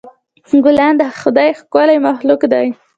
ګلان د خدای ښکلی مخلوق دی.